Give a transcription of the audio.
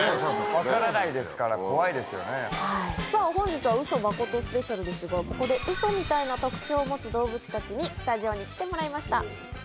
分からないです、怖いですよさあ、本日はウソマコトスペシャルですが、ここでウソみたいな特徴を持つ動物たちにスタジオに来てもらいました。